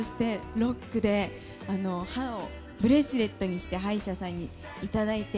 ロックで歯をブレスレットにして歯医者さんにいただいて。